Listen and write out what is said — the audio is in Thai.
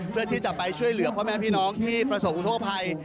เพื่อที่จะไปช่วยเหลือพ่อแม่พี่น้องที่ประสบอุทธกภัย